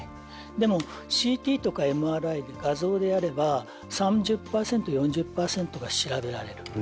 でもＣＴとかＭＲＩで画像でやれば３０％４０％が調べられる。